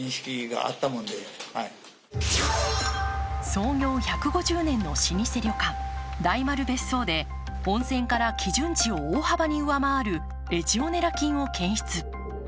創業１５０年の老舗旅館、大丸別荘で温泉から基準値を大幅に上回るレジオネラ菌を検出。